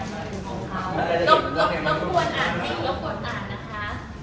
เราโผล่นอ่านคลุมถ่ายนะคะ